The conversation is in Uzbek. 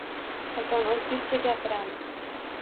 Qachon o‘zbekcha gapiramiz?